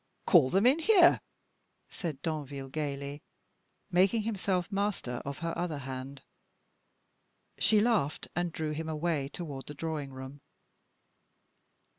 "Call them in here," said Danville gayly, making himself master of her other hand. She laughed, and drew him away toward the drawing room.